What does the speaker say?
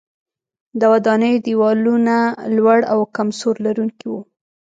د ودانیو دیوالونه لوړ او کم سور لرونکي وو.